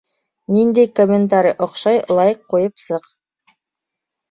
Ниндәй комментарий оҡшай — лайыҡ ҡуйып сыҡ!